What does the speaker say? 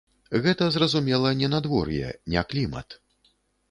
Гэта, зразумела, не надвор'е, не клімат.